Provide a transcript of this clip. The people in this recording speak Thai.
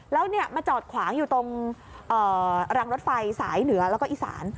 แล้วมาจอดขวางอยู่ตรงรางรถไฟสายเหนือแล้วก็อีสาน